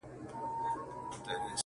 پر ټلیفون ورسره وږغېدم